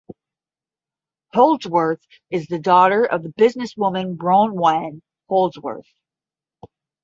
Holdsworth is the daughter of businesswoman Bronwen Holdsworth.